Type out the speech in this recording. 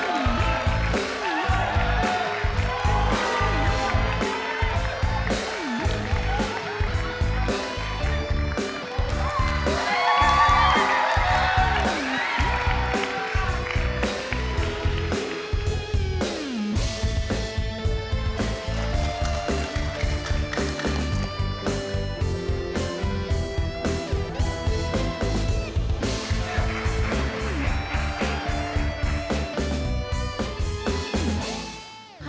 ya kepada para peserta